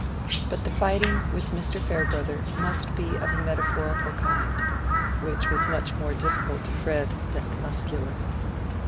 But the fighting with Mr. Farebrother must be of a metaphorical kind, which was much more difficult to Fred than the muscular.